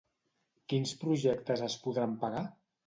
Quins projectes es podran pagar?